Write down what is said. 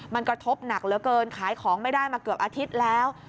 มันกระทบหนักเหลือเกินขายของไม่ได้มาเกือบอาทิตย์แล้ว